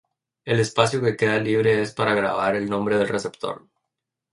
El espacio que queda libre es para grabar el nombre del receptor.